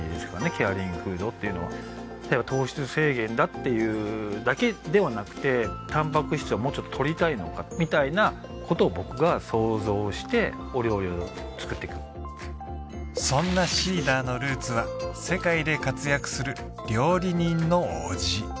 ケアリングフードっていうのは糖質制限だっていうだけではなくてたんぱく質をもうちょっととりたいのかみたいなことを僕が想像してお料理を作ってくそんなＳｅｅｄｅｒのルーツは世界で活躍する料理人の伯父